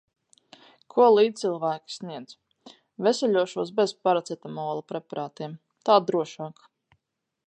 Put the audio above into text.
Ko līdzcilvēki sniedz. Veseļošos bez paraceptamola preparātiem – tā drošāk.